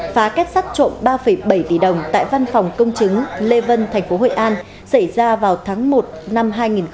phá kết sắt trộm ba bảy tỷ đồng tại văn phòng công chứng lê vân thành phố hội an xảy ra vào tháng một năm hai nghìn hai mươi